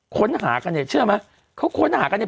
ค้นหากันเนี่ยเชื่อไหมเขาค้นหากันเนี่ย